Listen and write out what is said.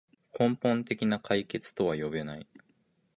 根本的な解決とは呼べない